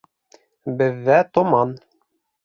Беҙҙә томан